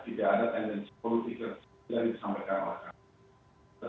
tidak ada tenaga politik yang bisa disampaikan oleh biar syafiee